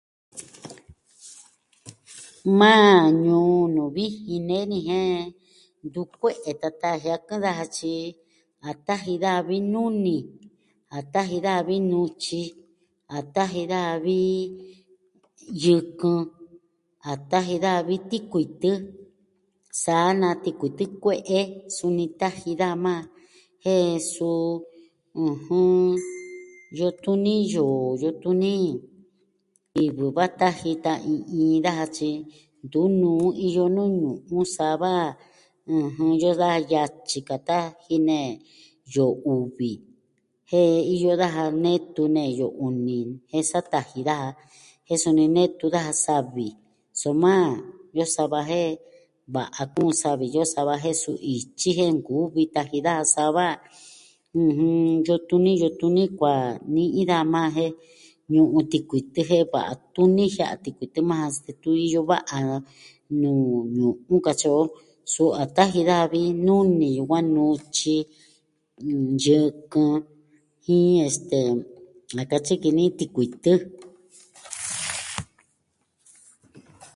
Maa ñuu nuu vijin nee ni jen iyo kue'e tata jiakɨn daja, tyi a taji daja vi nuni, a taji daja vi nutyi, a tyaji daja vi yɨkɨn, a taji daja vi tikuitɨ, saa na tikuitɨ kue'e, suni taji daja majan, ɨjɨn, iyo tuni iyo, iyo tuni. Kivɨ va taji ta iin iin daja tyi ntu nuu iyo ñu'un sava, ɨjɨn, iyo sa yatyi kata jinee yoo uvi jen iyo daja netu ne yoo uni, jen sa taji daja. Jen suni netu daja savi, soma iyo sava jen va'a kuun savi iyo sava jen suu ityi jen nkuvi taji daja sava, ɨjɨn, iyo tuni, iyo tuni kua ni'i daja majan jen ñu'un tikuitɨ jen va'a tuni jiaa tikuitɨ majan, detun iyo va'a nuu ñu'un katyi o, suu a taji daja vi nuni yukuan, nutyi, yɨkɨn jin, este a katyi ki ni tikuitɨ.